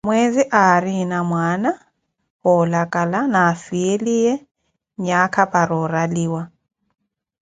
Mweezi aarina mwaana wolakala, ni afhiyeliye nyakha para oraliwa.